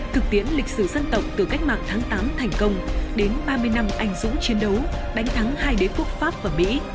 thực tiễn lịch sử dân tộc từ cách mạng tháng tám thành công đến ba mươi năm ảnh dũng chiến đấu đánh thắng hai đế quốc pháp và mỹ